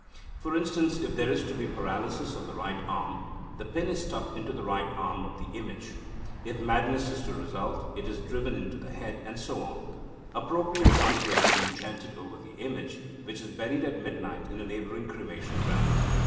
For instance, if there is to be paralysis of the right arm, the pin is stuck into the right arm of the image; if madness is to result, it is driven into the head, and so on, appropriate mantras being chanted over the image, which is buried at midnight in a neighbouring cremation ground.